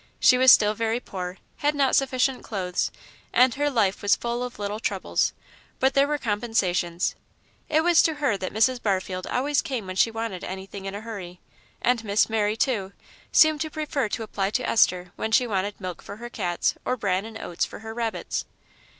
She was still very poor, had not sufficient clothes, and her life was full of little troubles; but there were compensations. It was to her that Mrs. Barfield always came when she wanted anything in a hurry, and Miss Mary, too, seemed to prefer to apply to Esther when she wanted milk for her cats or bran and oats for her rabbits.